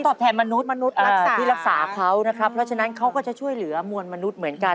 แทนมนุษย์มนุษย์รักษาที่รักษาเขานะครับเพราะฉะนั้นเขาก็จะช่วยเหลือมวลมนุษย์เหมือนกัน